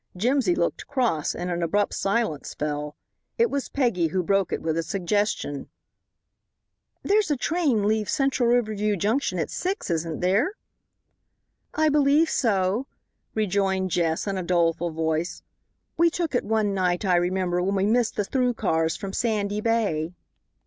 Jimsy looked cross, and an abrupt silence fell. It was Peggy who broke it with a suggestion. "There's a train leaves Central Riverview junction at six, isn't there?" "I believe so," rejoined Jess, in a doleful voice; "we took it one night, I remember, when we missed the through cars from Sandy Bay."